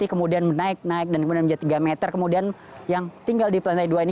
kemudian menaik naik dan kemudian menjadi tiga meter kemudian yang tinggal di lantai dua ini